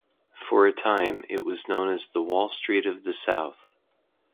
For a time, it was known as the Wall Street of the South.